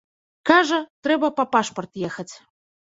Кажа, трэба па пашпарт ехаць.